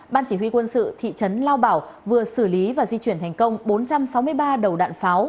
ban chỉ huy quân sự thị trấn lao bảo vừa xử lý và di chuyển thành công bốn trăm sáu mươi ba đầu đạn pháo